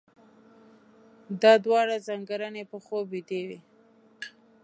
دا دواړه ځانګړنې په خوب ويدې وي.